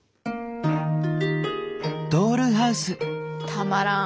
たまらん。